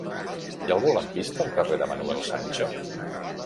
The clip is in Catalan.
Hi ha algun lampista al carrer de Manuel Sancho?